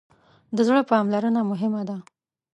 د زړه پاملرنه مهمه ده.